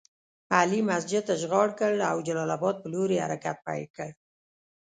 علي مسجد اشغال کړ او جلال اباد پر لور یې حرکت پیل کړ.